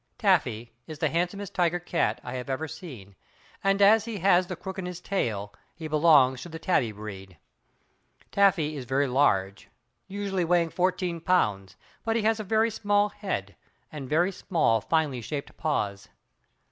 Taffy is the handsomest tiger cat I have ever seen, and as he has the crook in his tail, he belongs to the Tabby breed. Taffy is very large, usually weighing fourteen pounds, but he has a very small head, and very small, finely shaped paws.